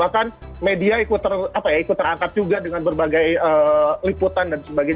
bahkan media ikut terangkat juga dengan berbagai liputan dan sebagainya